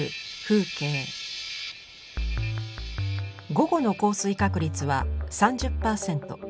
午後の降水確率は３０％。